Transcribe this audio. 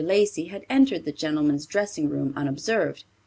Lacey had entered the gentlemen's dressing room unobserved.